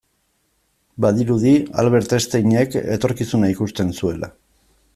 Badirudi Albert Einsteinek etorkizuna ikusten zuela.